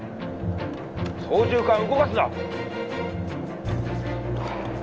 操縦かん動かすな！